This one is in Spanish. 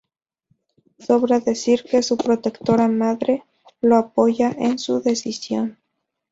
Sobra decir que su protectora madre lo apoya en su decisión.